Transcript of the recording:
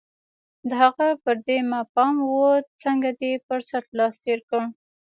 د هغه پر دې ما پام و، څنګه دې پر څټ لاس تېر کړ؟